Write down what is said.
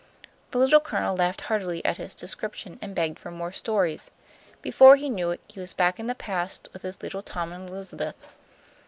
The Little Colonel laughed heartily at his description, and begged for more stories. Before he knew it he was back in the past with his little Tom and Elizabeth.